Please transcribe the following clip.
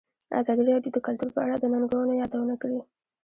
ازادي راډیو د کلتور په اړه د ننګونو یادونه کړې.